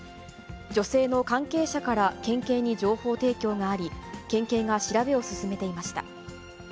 女性の関係者から県警に情報提供があり、県警が調べを進めていました。